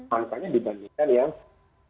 makanya dibandingkan yang